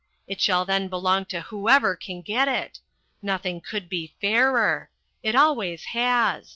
It shall then belong to whoever can get it. Nothing could be fairer. It always has.